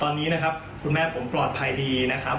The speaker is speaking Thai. ตอนนี้นะครับคุณแม่ผมปลอดภัยดีนะครับ